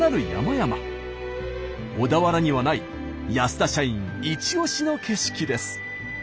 小田原にはない安田社員イチオシの景色です。